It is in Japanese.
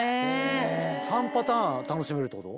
３パターン楽しめるってこと？